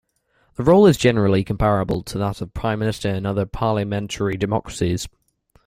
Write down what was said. The role is generally comparable to that of Prime Minister in other parliamentary democracies.